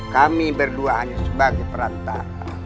kami berduanya sebagai perantara